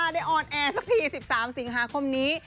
ออนแอร์สักที๑๓สิงหาคมนี้